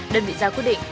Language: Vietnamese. đơn vị giáo quyết định